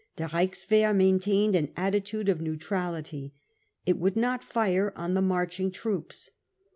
The Reichswehr maintained an attitude of neutrality. It would not fire on the marching troops.